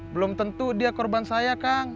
belum tentu dia korban saya kang